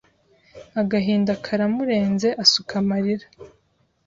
agahinda karamurenze asuka amarira.